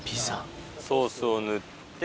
ソースを塗って。